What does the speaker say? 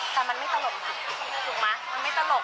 แต่มันไม่ตลกถูกไหมมันไม่ตลก